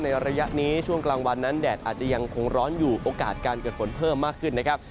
ระยะนี้ช่วงกลางวันนั้นแดดอาจจะยังคงร้อนอยู่โอกาสการเกิดฝนเพิ่มมากขึ้นนะครับ